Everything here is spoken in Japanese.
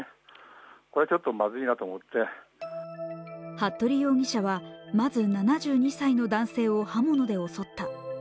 服部容疑者はまず、７２歳の男性を刃物で襲った。